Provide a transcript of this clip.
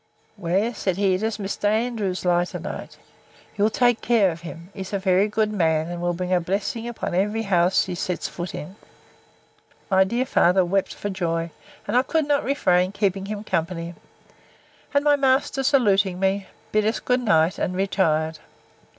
Where, said he, does Mr. Andrews lie to night? You'll take care of him. He's a very good man; and will bring a blessing upon every house he sets his foot in. My dear father wept for joy; and I could not refrain keeping him company. And my master, saluting me, bid us good night, and retired.